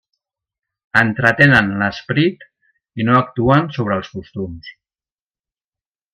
Entretenen l'esperit i no actuen sobre els costums.